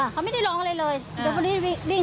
เขาไม่ได้ร้องอะไรเลยเดี๋ยวคนนี้วิ่ง